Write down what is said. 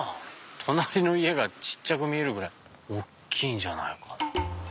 隣の家が小っちゃく見えるぐらい大きいんじゃないかな。